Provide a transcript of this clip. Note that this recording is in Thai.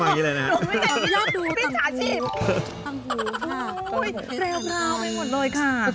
เพื่อนชายชีพ